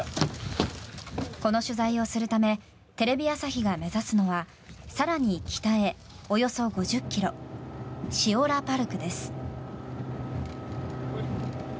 この取材をするためテレビ朝日が目指すのは更に北へおよそ５０ｋｍシオラパルクです。